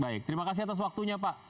baik terima kasih atas waktunya pak